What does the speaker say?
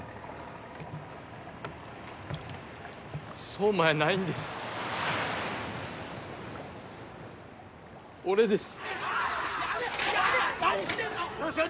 壮磨やないんです俺です